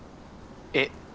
えっ？